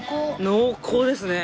濃厚ですね。